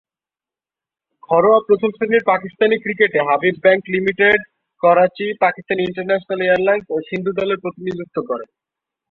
ঘরোয়া প্রথম-শ্রেণীর পাকিস্তানি ক্রিকেটে Habib bank limited, Karachi, Pakistan international airlines ও সিন্ধু দলের প্রতিনিধিত্ব করেন।